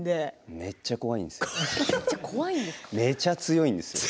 めっちゃ強いんですよ。